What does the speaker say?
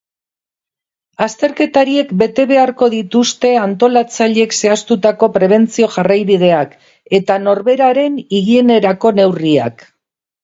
Azterketariek bete beharko dituzte antolatzaileek zehaztutako prebentzio-jarraibideak eta norberaren higienerako neurriak.